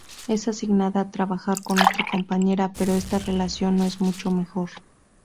Es asignada a trabajar con otra compañera, pero esta relación no es mucho mejor.